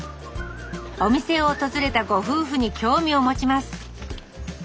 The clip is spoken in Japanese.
お店を訪れたご夫婦に興味を持ちます。